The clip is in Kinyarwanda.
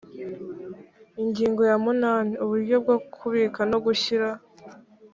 ingingo ya munani uburyo bwo kubika no gushyira